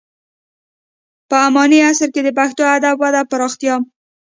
په اماني عصر کې د پښتو ادب وده او پراختیا.